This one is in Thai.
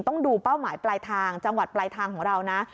ต้องดูเป้าหมายปลายทางจังหวัดปลายทางของเรานะ